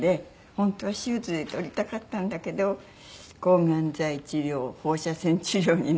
本当は手術で取りたかったんだけど抗がん剤治療放射線治療になってしまったんですね。